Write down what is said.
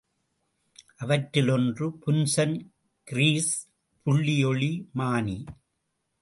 அவற்றில் ஒன்று புன்சன் கிரீஸ் புள்ளிஒளி மானி.